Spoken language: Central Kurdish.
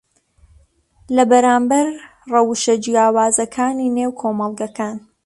لەبەرامبەر ڕەوشە جیاوازەکانی نێو کۆمەڵگەکان